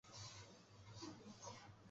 这些事件标志着现代塞尔维亚的开始。